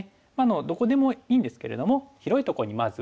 どこでもいいんですけれども広いところにまず打っていて。